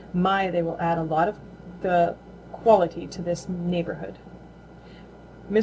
My, they will add a lot to the quality of this neighborhood." Mr.